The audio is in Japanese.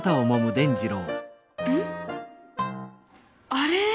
あれ？